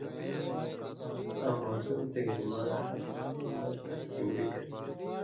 آں ماسُم تے گھریۡماݜہ ڈیمبہ تےۡ ڈِمبُوئ کرِگ؛